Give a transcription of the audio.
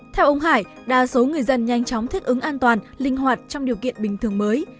theo ông hải đa số người dân nhanh chóng thích ứng an toàn linh hoạt trong điều kiện bình thường mới